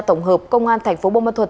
tổng hợp công an thành phố bông mật thuật